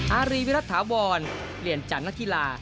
อารีวิรัตนาทาวรเหรียญจันทร์นักธิลา